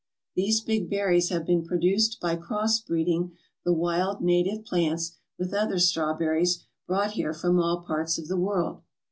These big berries have been produced by cross breeding the wild native plants with other straw berries brought here from all parts of the world.